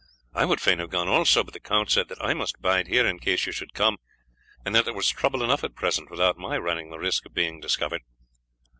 I would fain have gone also, but the count said that I must bide here in case you should come, and that there was trouble enough at present without my running the risk of being discovered.